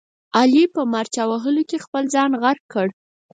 علي په مارچه وهلو کې خپل ځان غرق کړ.